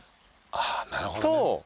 あぁなるほど。